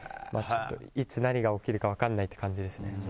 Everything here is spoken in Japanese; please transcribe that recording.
いつ何が起きるか分からないって感じですね。